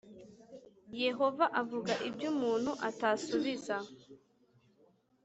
Yehova avuga ibyo umuntu atasubiza